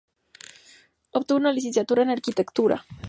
Obtuvo una licenciatura en arquitectura.